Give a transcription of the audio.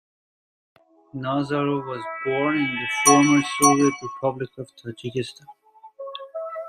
Nazarov was born in the Former Soviet Republic of Tajikistan.